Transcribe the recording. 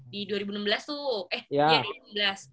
di dua ribu enam belas tuh eh dua ribu enam belas